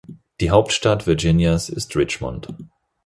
Die Hauptstadt Virginias ist Richmond.